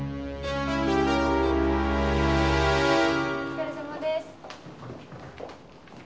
お疲れさまです。